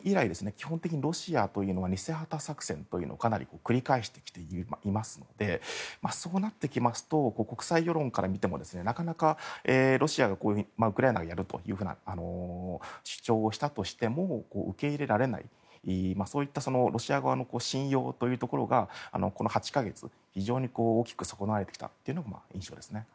基本的にロシアというのは偽旗作戦をかなり繰り返してきていますのでそうなってきますと国際世論から見てもなかなかロシアがウクライナがやるというような主張をしたとしても受け入れられない、そういったロシア側の信用がこの８か月非常に大きく損なわれてきたのが印象ですね。